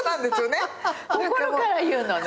心から言うのね？